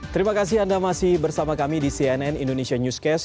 terima kasih anda masih bersama kami di cnn indonesia newscast